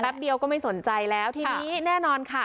เดียวก็ไม่สนใจแล้วทีนี้แน่นอนค่ะ